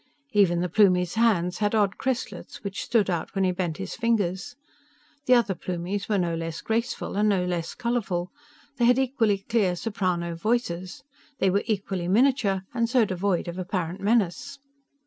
Even the Plumie's hands had odd crestlets which stood out when he bent his fingers. The other Plumies were no less graceful and no less colorful. They had equally clear soprano voices. They were equally miniature and so devoid of apparent menace.